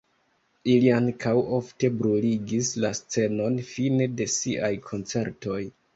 Ili ankaŭ ofte bruligis la scenon fine de siaj koncertoj.